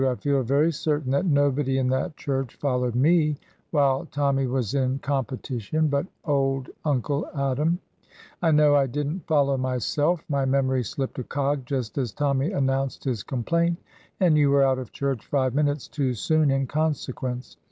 I feel very certain that nobody in that church followed me, while Tommy was in competition, but old Uncle Adam. I know I did n't follow myself. My memory slipped a cog just as Tommy announced his complaint, and you were out of church five minutes too soon in consequence.